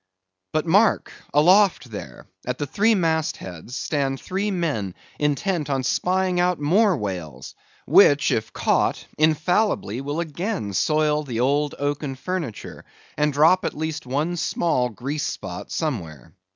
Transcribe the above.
But mark: aloft there, at the three mast heads, stand three men intent on spying out more whales, which, if caught, infallibly will again soil the old oaken furniture, and drop at least one small grease spot somewhere.